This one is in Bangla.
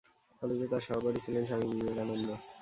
কলেজে তার সহপাঠী ছিলেন স্বামী বিবেকানন্দ।